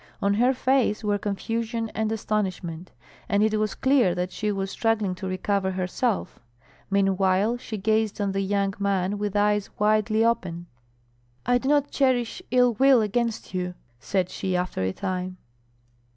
On her face were confusion and astonishment, and it was clear that she was struggling to recover herself; meanwhile she gazed on the young man with eyes widely open. "I do not cherish ill will against you," said she after a time.